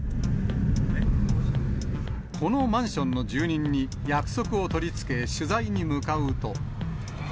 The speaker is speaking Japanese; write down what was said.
このマンションの住人に約束を取り付け、取材に向かうと。